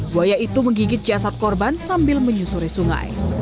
buaya itu menggigit jasad korban sambil menyusuri sungai